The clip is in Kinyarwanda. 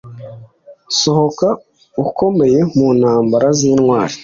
Sohoka ukomeye muntambara zintwari